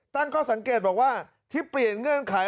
ตั้งข้อสังเกตบอกว่าที่เปลี่ยนเงื่อนไข